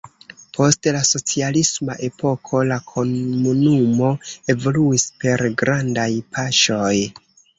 Post la socialisma epoko, la komunumo evoluis per grandaj paŝoj.